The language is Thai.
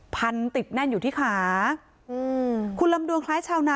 พันติดแน่นอยู่ที่ขาอืมคุณลำดวงคล้ายชาวนา